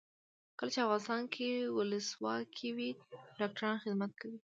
کله چې افغانستان کې ولسواکي وي ډاکټران خدمت کوي.